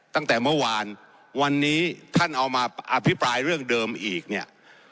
ตั้งแต่เมื่อวานวันนี้ท่านเอามาอภิปรายเรื่องเดิมอีกเนี่ย